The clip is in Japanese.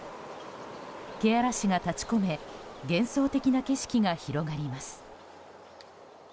けあらしが立ち込め幻想的な景色が広がります。